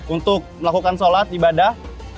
untuk melakukan sholat ibadah